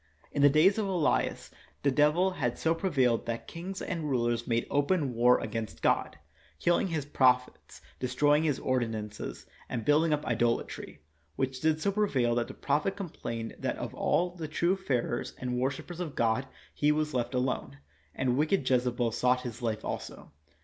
In the days of Elias the devil had so prevailed that kings and rulers made open war against God, killing His proph ets, destroying His ordinances, and building up idolatry, which did so prevail that the prophet complained that of all the true fearers and wor shipers of God he was left alone, and wicked Jezebel sought his life also.